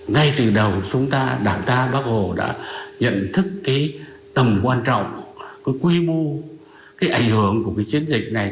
ngay từ đầu chúng ta đảng ta bác hồ đã nhận thức cái tầm quan trọng cái quy mô cái ảnh hưởng của cái chiến dịch này